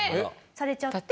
されちゃって。